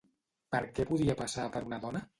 Per què podia passar per una dona?